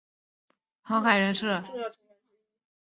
热带气旋警告信号最初之用意主要是为了方便航海人士。